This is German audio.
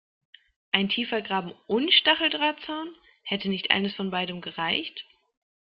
Ein tiefer Graben und Stacheldrahtzaun – hätte nicht eines von beidem gereicht?